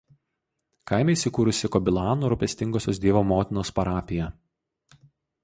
Kaime įsikūrusi Kobilanų Rūpestingosios Dievo Motinos parapija.